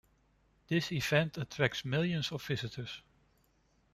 This event attracts millions of visitors.